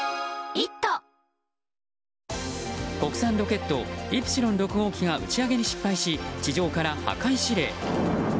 国産ロケット「イプシロン６号機」が打ち上げに失敗し地上から破壊指令。